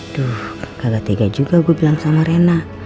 duh kaget juga gue bilang sama rena